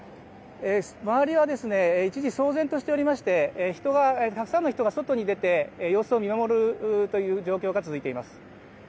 周りは一時騒然としておりましてたくさんの人が外に出て様子を見守るという状況が続いています。